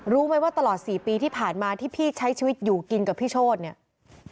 รู้ไหมว่าตลอด๔ปีที่ผ่านมาที่พี่ใช้ชีวิตอยู่กินกับพี่โชธเนี่ย